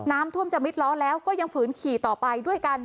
น้ำท่วมจะมิดล้อแล้วก็ยังฝืนขี่ต่อไปด้วยกัน